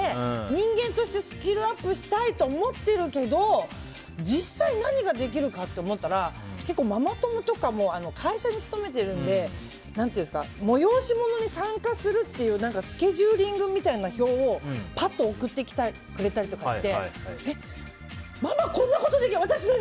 人間としてスキルアップしたいと思ってるけど実際、何ができるかって思ったらママ友とかも会社に勤めてるので催し物に参加するっていうスケジューリングみたいな表をパッと送ってきてくれたりしてえ、ママ、こんなことできるの？